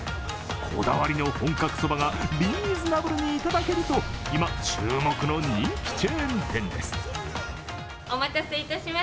こだわりの本格そばがリーズナブルにいただけると今、注目の人気チェーン店です。